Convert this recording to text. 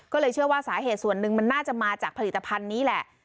ก็เลยเชื่อว่าสาเหตุส่วนหนึ่งมันน่าจะมาจากผลิตภัณฑ์นี้แหละ